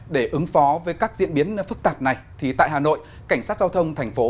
để ứng phó với các diễn biến phức tạp này thì tại hà nội cảnh sát giao thông thành phố